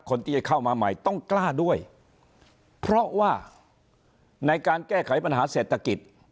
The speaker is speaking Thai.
คนที่จะเข้ามาใหม่ต้องกล้าด้วยเพราะว่าในการแก้ไขปัญหาเศรษฐกิจ